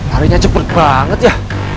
harinya cepet banget ya